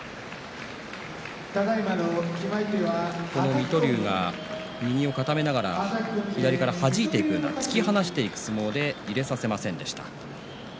水戸龍が右を固めながら左からはじいていくような突き放していく相撲で琴恵光を入れさせませんでした。